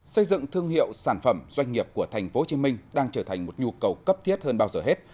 xây dựng thương hiệu sản phẩm doanh nghiệp của tp hcm đang trở thành một nhu cầu cấp thiết hơn bao giờ hết